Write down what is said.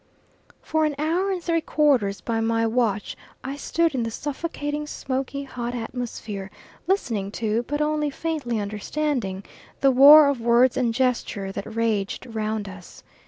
For an hour and three quarters by my watch I stood in the suffocating, smoky, hot atmosphere listening to, but only faintly understanding, the war of words and gesture that raged round us.